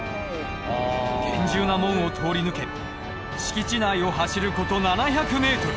厳重な門を通り抜け敷地内を走る事７００ｍ。